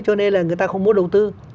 cho nên là người ta không muốn đầu tư